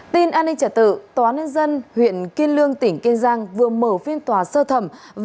tin an ninh trả tự tòa nhân dân huyện kiên lương tỉnh kiên giang vừa mở phiên tòa sơ thẩm